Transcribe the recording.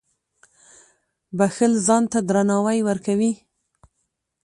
• بښل ځان ته درناوی ورکوي.